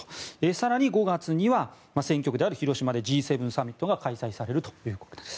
更に５月には選挙区である広島でＧ７サミットが開催されるということです。